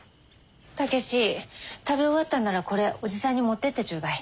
武志食べ終わったんならこれおじさんに持ってってちょうだい。